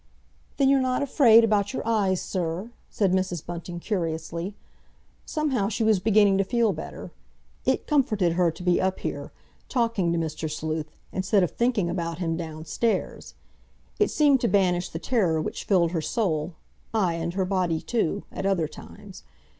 "Then you're not afraid about your eyes, sir?" said Mrs. Bunting curiously. Somehow she was beginning to feel better. It comforted her to be up here, talking to Mr. Sleuth, instead of thinking about him downstairs. It seemed to banish the terror which filled her soul—aye, and her body, too—at other times.